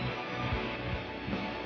khanpan ana untuk usia dan kesehatan